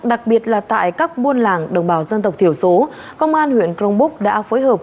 đặc biệt là tại các buôn làng đồng bào dân tộc thiểu số công an huyện crong búc đã phối hợp